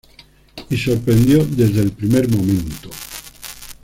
Y sorprendió desde el primer momento.